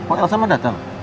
oh elsa mah dateng